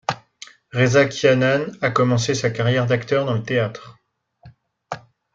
Reza Kianian a commencé sa carrière d'acteur dans le théâtre.